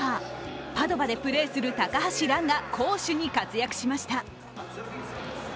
パドヴァでプレーする高橋藍が攻守に活躍しました。